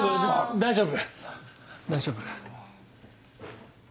大丈夫。